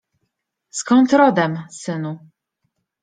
Skąd rodem, synu?